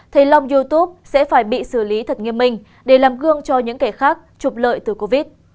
thầy long youtube sẽ phải bị xử lý thật nghiêm minh để làm gương cho những kẻ khác trục lợi từ covid